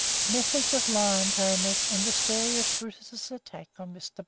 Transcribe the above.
II METHODS OF LION TAMERS AND THE STORY OF BRUTUS'S ATTACK ON MR.